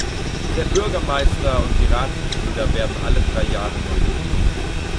Der Bürgermeister und die Ratsmitglieder werden alle drei Jahre neu gewählt.